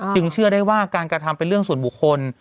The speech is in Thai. เชื่อได้ว่าการกระทำเป็นเรื่องส่วนบุคคล